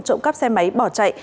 trộm cắp xe máy bỏ chạy